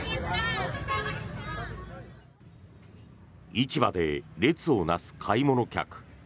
市場で列を成す買い物客。